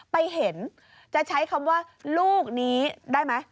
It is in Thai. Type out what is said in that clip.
ไปเห็นจะใช้คำว่าลูกนี้ได้ไหม